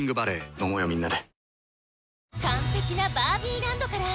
飲もうよみんなで。